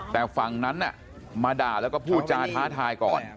แต่ฝั่งนั้นมาด่าแล้วก็พูดจาท้าทายก่อน